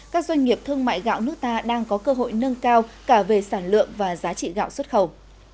các doanh nghiệp thương mại gạo nước ta đang có cơ hội nâng cao cả về sản lượng và giá trị gạo xuất khẩu